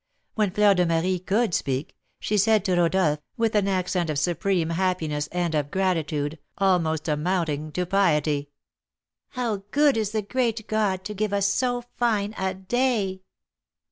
When Fleur de Marie could speak, she said to Rodolph, with an accent of supreme happiness and of gratitude, almost amounting to piety: "How good is the great God to give us so fine a day!"